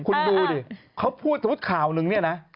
คุณดูดิเขาพูดสมมุติข่าวนึงเนี่ยนะ